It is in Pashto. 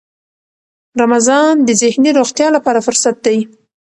رمضان د ذهني روغتیا لپاره فرصت دی.